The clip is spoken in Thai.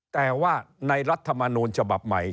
แต่ว่าในรัฐมนูลฉบับใหม่